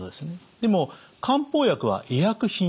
でも漢方薬は医薬品。